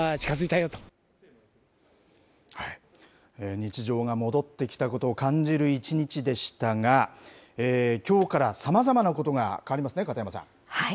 日常が戻ってきたことを感じる一日でしたが、きょうからさまざまなことが変わりますね、片山さん。